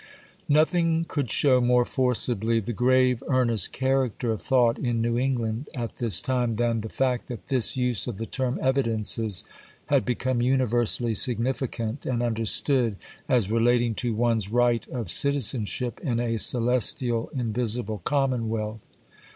Nothing could show more forcibly the grave, earnest character of thought in New England at this time than the fact that this use of the term 'evidences' had become universally significant and understood as relating to one's right of citizenship in a celestial, invisible commonwealth.